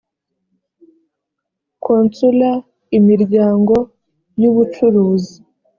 consula imiryango y ubucuruzi